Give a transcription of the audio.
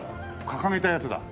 掲げたやつだ。